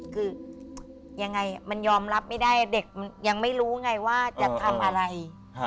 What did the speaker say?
คือยังไงมันยอมรับไม่ได้เด็กมันยังไม่รู้ไงว่าจะทำอะไร